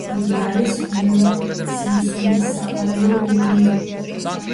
იგი არის ჰომერ სიმფსონის საყვარელი ლუდი.